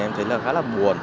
em thấy khá là buồn